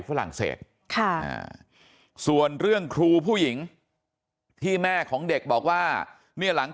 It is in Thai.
ฝรั่งเศสส่วนเรื่องครูผู้หญิงที่แม่ของเด็กบอกว่าเนี่ยหลัง